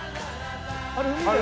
あれ海だよね？